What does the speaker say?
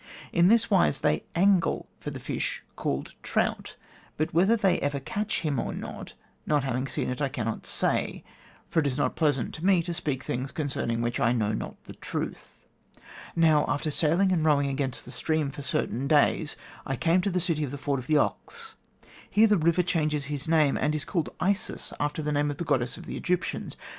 In this wise they angle for the fish called trout; but whether they ever catch him or not, not having seen it, I cannot say; for it is not pleasant to me to speak things concerning which I know not the truth. Now, after sailing and rowing against the stream for certain days, I came to the City of the Ford of the Ox. Here the river changes his name, and is called Isis, after the name of the goddess of the Egyptians.